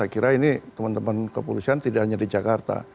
akhirnya ini teman teman kepolisian tidak hanya di jakarta